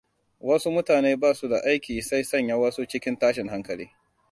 Wasu mutane ba su da aiki sai sanya wasu cikin tashin hankali.